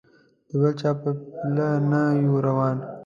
د بل چا په پله نه یو روان.